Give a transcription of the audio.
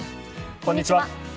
こんにちは。